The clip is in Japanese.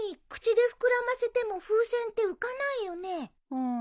うん。